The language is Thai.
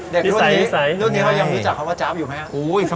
เด็กรุ่นนี้ยังรู้จักคำว่าจ๊าบอยู่ไหมอะ